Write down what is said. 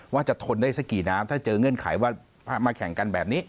ว่าจะทนได้สักกี่น้ำถ้าเจอเงื่อนไขว่ามาแข่งกันแบบนี้